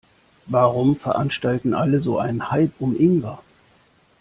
Warum veranstalten alle so einen Hype um Ingwer?